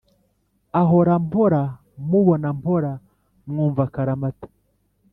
aho mpora mubona mpora mwumva akaramata